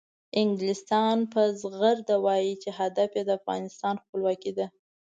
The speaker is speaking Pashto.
انګلستان په زغرده وایي چې هدف یې د افغانستان خپلواکي ده.